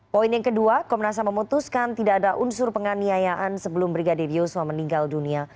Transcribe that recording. poin yang kedua komnas ham memutuskan tidak ada unsur penganiayaan sebelum brigadir yosua meninggal dunia